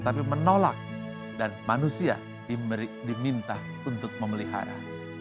tapi menolak dan manusia diminta untuk memelihara